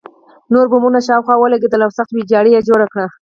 نور بمونه شاوخوا ولګېدل او سخته ویجاړي یې جوړه کړه